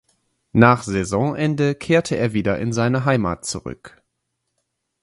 Nach Saisonende kehrte er wieder in seine Heimat zurück.